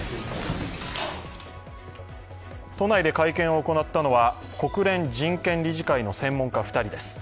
都内で会見を行ったのは国連人権理事会の専門家２人です。